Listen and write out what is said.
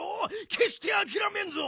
けっしてあきらめんぞ！